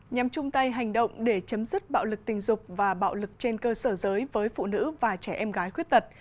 nhằm chung tay hành động để chấm dứt bạo lực tình dục và bạo lực trên cơ sở giới với phụ nữ và trẻ em gái khuyết tật